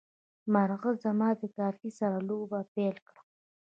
مرغه زما د کافي سره لوبه پیل کړه.